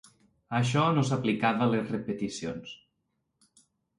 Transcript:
Això no s'aplicava a les repeticions.